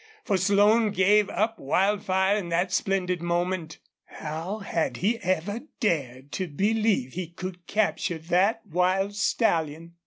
For Slone gave up Wildfire in that splendid moment. How had he ever dared to believe he could capture that wild stallion?